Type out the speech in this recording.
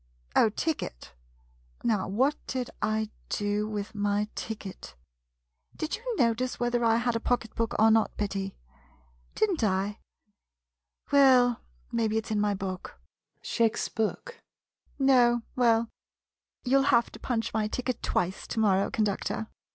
Oh, ticket — now what did I do with my ticket? Did you notice whether I had a pocket book or not, Betty ? Did n't I ? Well, maybe it 's in my book. [Shakes book.] No — well — you '11 have to punch my ticket twice to morrow, conductor.